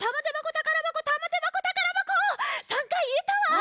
３かいいえたわ！